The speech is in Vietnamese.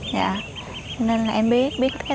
cho nên là em biết